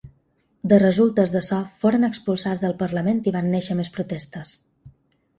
De resultes d’això foren expulsats del parlament i van néixer més protestes.